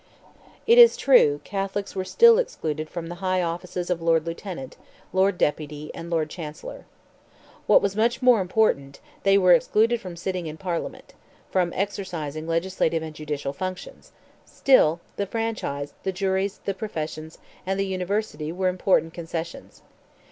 It is true, Catholics were still excluded from the high offices of Lord Lieutenant, Lord Deputy, and Lord Chancellor. What was much more important, they were excluded from sitting in Parliament—from exercising legislative and judicial functions, Still the franchise, the juries, the professions, and the University, were important concessions.